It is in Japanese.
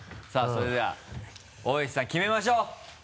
さぁそれでは大石さん決めましょう！